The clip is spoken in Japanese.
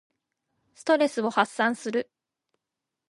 ストレスを発散する。